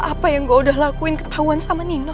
apa yang gue udah lakuin ketahuan sama nino